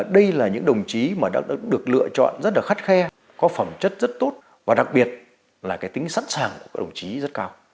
đây là những đồng chí mà đã được lựa chọn rất là khắt khe có phẩm chất rất tốt và đặc biệt là cái tính sẵn sàng của các đồng chí rất cao